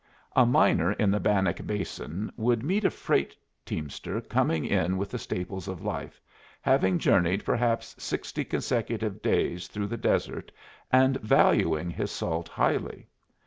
A miner in the Bannock Basin would meet a freight teamster coming in with the staples of life, having journeyed perhaps sixty consecutive days through the desert, and valuing his salt highly.